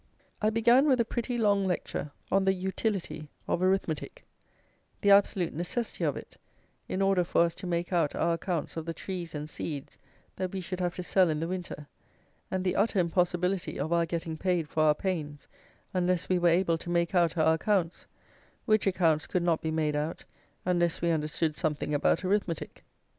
I began with a pretty long lecture on the utility of arithmetic; the absolute necessity of it, in order for us to make out our accounts of the trees and seeds that we should have to sell in the winter, and the utter impossibility of our getting paid for our pains unless we were able to make out our accounts, which accounts could not be made out unless we understood something about arithmetic.